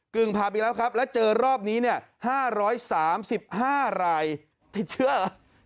กึ่งผับอีกแล้วครับและเจอรอบนี้๕๓๕รายถิดเชื่อเหรอ